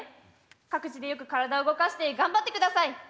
各自でよく体を動かして頑張ってください。